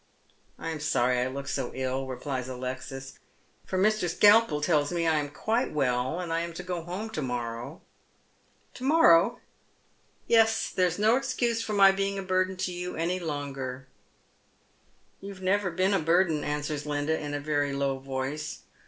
" I am Borry I look so ill," replies Alexis, " for Mr. Skalpel tells me I am quite well, and I am to go home to morrow." " To morrow ?"" Yes ; there is no excuse for my being a burden to you anj longer." " You have never been a burden," answers Linda, in a very low voice.